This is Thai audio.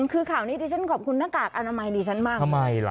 คือข่าวนี้ดิฉันขอบคุณหน้ากากอนามัยดิฉันมากทำไมล่ะ